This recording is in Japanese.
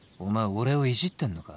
俺をいじってんのか？